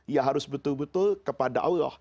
ya harus betul betul kepada allah